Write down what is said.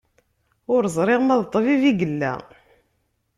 Ur ẓriɣ ma d ṭṭbib i yella.